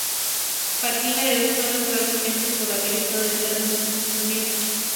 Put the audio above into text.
Pátina en dos tonos, probablemente por haber estado los trozos en distintos ambientes.